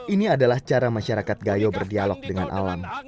ini adalah cara masyarakat gayo berdialog dengan alam